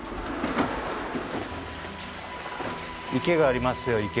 池がありますよ